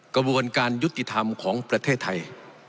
กระบวนการยุติธรรมของประเทศไทย